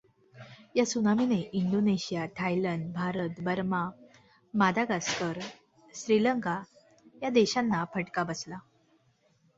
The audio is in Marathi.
या त्सुनामीने Indonesia, Thailand, Bharat, Burma, Madagascar, Sri Lanka या देशांना फटका बसला.